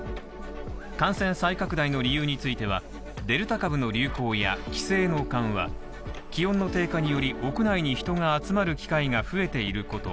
感染再拡大の理由については、デルタ株の流行や規制の緩和、気温の低下により屋内に人が集まる機会が増えていること